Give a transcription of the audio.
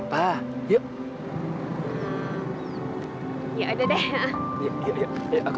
maksud alat bapak